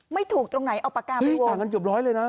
ไม่ถูกตรงไหนเอาปากกามาวงเงินเกือบร้อยเลยนะ